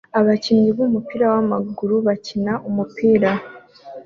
Abakinnyi b'umupira w'amaguru bakina umupira